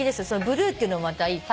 ブルーっていうのもまたいい。